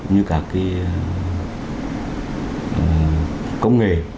như các công nghệ